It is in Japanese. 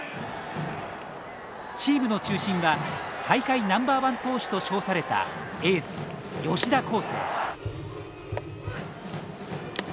チームの中心は大会ナンバーワン投手と称されたエース吉田輝星。